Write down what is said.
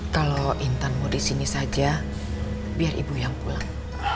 kalau intan mau di sini saja biar ibu yang pulang